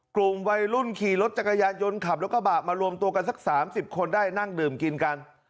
กลุ่มวัยรุ่นขี่รถจักรยานยนต์ขับรถกระบะมารวมตัวกันสัก๓๐คนได้นั่งดื่มกินกัน